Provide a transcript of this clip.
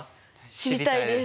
知りたいです。